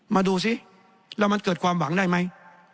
มาดูสิแล้วมันเกิดความหวังได้ไหม